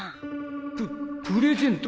ププレゼント